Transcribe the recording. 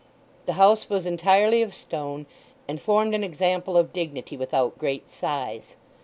The house was entirely of stone, and formed an example of dignity without great size.